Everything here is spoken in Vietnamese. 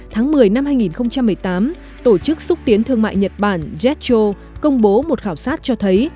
tháng một mươi năm hai nghìn một mươi tám tổ chức xúc tiến thương mại nhật bản jetro công bố một khảo sát cho thấy